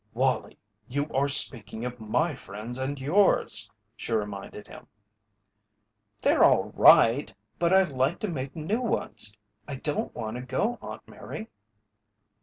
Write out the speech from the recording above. "Wallie, you are speaking of my friends and yours," she reminded him. "They're all right, but I like to make new ones. I don't want to go, Aunt Mary."